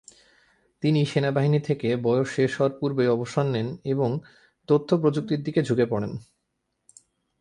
তিনি সেনাবাহিনী থেকে বয়স শেষ হওয়ার পূর্বেই অবসর নেন এব তথ্য প্রযুক্তির দিকে ঝুঁকে পড়েন।